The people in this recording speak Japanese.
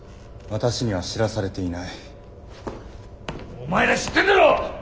お前ら知ってんだろ！